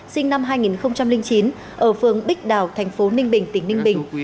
sinh năm hai nghìn chín ở phường bích đào thành phố ninh bình tỉnh ninh bình